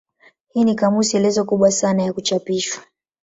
Hii ni kamusi elezo kubwa sana ya kuchapishwa.